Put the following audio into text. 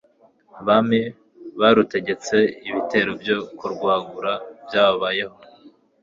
abami barutegetse, ibitero byo kurwagura byabayeho